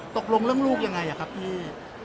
ตกลงเรื่องลูกยังไงครับพี่